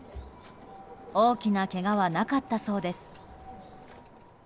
大きなけがはなかったそうです。